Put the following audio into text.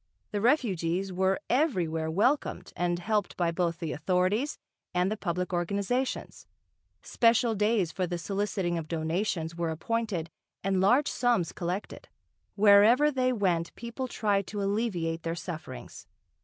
The refugees were everywhere welcomed and helped by both the authorities and the public organisations. Special days for the soliciting of donations were appointed and large sums collected. Wherever they went people tried to alleviate their sufferings.